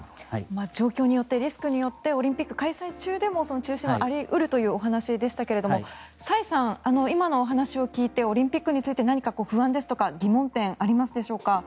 状況によってリスクによってオリンピック開催中でもその中止はあり得るというお話でしたが崔さん、今のお話を聞いてオリンピックについて何か不安ですとか疑問点ありますでしょうか？